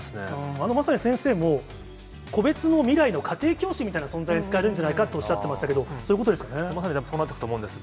あのまさに先生も、個別の未来の家庭教師みたいな存在に使えるんじゃないかとおっしゃってままさにそうなっていくと思うんです。